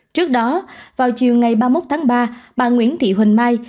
trước đó vào chiều ngày ba mươi một tháng ba bà nguyễn thị huỳnh mai